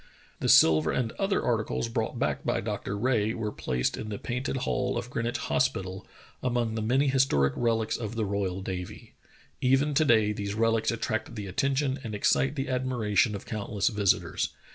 The silver and other articles brought back by Dr. Rae were placed in the Painted Hall of Greenwich Hos pital, among the many historic relics of the royal navy. Even to day these relics attract the attention and excite the admiration of countless visitors.